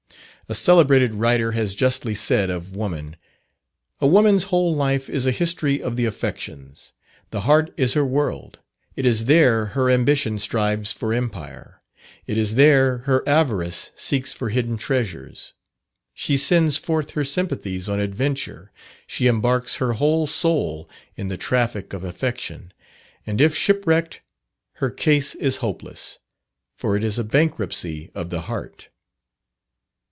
A celebrated writer has justly said of woman: "A woman's whole life is a history of the affections. The heart is her world; it is there her ambition strives for empire; it is there her avarice seeks for hidden treasures. She sends forth her sympathies on adventure; she embarks her whole soul in the traffic of affection; and if shipwrecked, her case is hopeless for it is a bankruptcy of the heart."